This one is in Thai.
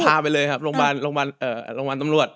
พาไปเลยครับโรงพยาบาลตำรวจ